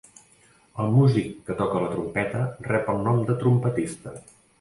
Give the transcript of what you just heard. El músic que toca la trompeta rep el nom de trompetista.